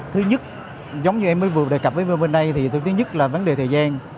thứ nhất giống như em mới vừa đề cập với v bên đây thì thứ nhất là vấn đề thời gian